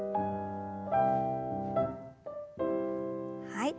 はい。